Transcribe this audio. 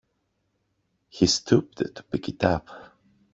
He stooped to pick it up.